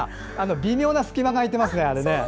微妙な隙間が空いていますね。